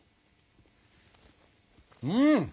うん！